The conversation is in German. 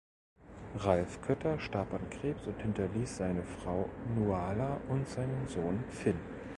Ralf Kötter starb an Krebs und hinterließ seine Frau Nuala und seinen Sohn Finn.